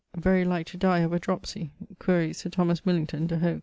very like to dye of a dropsey quaere Sir Thomas Millington de hoc.